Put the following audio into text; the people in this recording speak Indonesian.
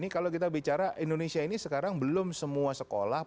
kalau kita bicara indonesia ini sekarang belum semua sekolah